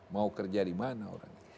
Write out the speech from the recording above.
mau kerja di mana orang